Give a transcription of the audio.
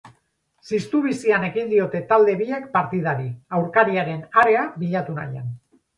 Ziztu bizian ekin diote talde biek partidari, aurkariaren area bilatu nahian.